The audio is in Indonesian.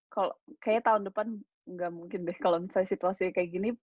kayaknya tahun depan gak mungkin deh kalau misalnya situasi kayak gini